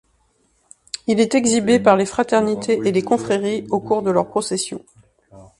Il est exhibé par les fraternités et les confréries au cours de leurs processions.